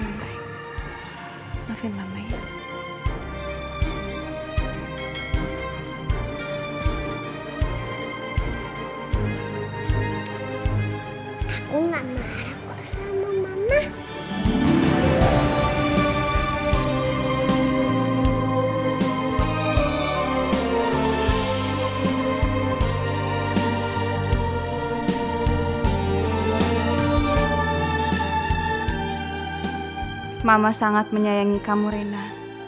mama sangat menyayangi kamu rena